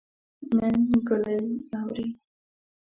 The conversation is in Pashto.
نن ګلۍ اوري